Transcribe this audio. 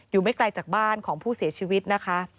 ไม่ไกลจากบ้านของผู้เสียชีวิตนะคะ